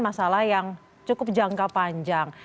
masalah yang cukup jangka panjang